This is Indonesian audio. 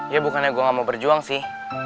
ya bukannya gue gak mau berjuang sih